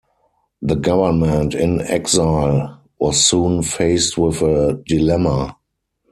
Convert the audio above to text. The government-in-exile was soon faced with a dilemma.